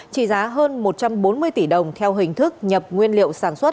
trị giá hơn một trăm bốn mươi tỷ đồng theo hình thức nhập nguyên liệu sản xuất